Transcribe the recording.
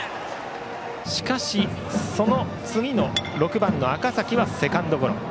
しかし、その次の６番の赤嵜はセカンドゴロ。